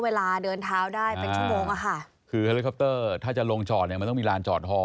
เวลาเดินเท้าได้เป็นชั่วโมงอ่ะค่ะคือถ้าจะลงจอดเนี่ยมันต้องมีลานจอดฮอล์